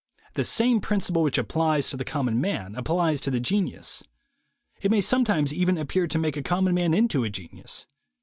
The same principle which applies to the common man applies to the genius. It may sometimes even appear to make a common man into a genius.